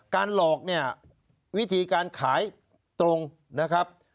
หลอกเนี่ยวิธีการขายตรงนะครับ